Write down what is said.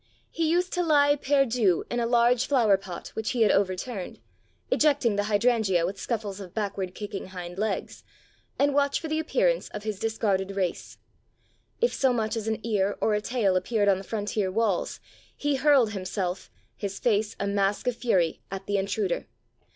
He used to lie perdu in a large flower pot which he had over turned (ejecting the hydrangea with scuffles of back ward kicking hind legs), and watch for the appearance of his discarded race. If so much as an ear or a tail appeared on the frontier walls, he hurled himself, his face a mask of fury, at the intruder.